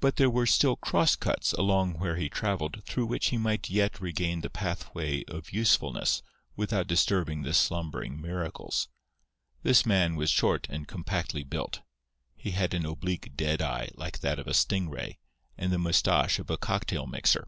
But there were still cross cuts along where he travelled through which he might yet regain the pathway of usefulness without disturbing the slumbering Miracles. This man was short and compactly built. He had an oblique, dead eye, like that of a sting ray, and the moustache of a cocktail mixer.